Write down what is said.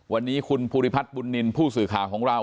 วันนี้คุณภูริพัฒน์บุญนินทร์ผู้สื่อข่าวของเรา